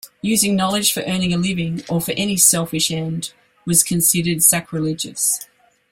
Using knowledge for earning a living or for any selfish end was considered sacrilegious.